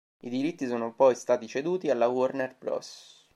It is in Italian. I diritti sono poi stati ceduti alla Warner Bros.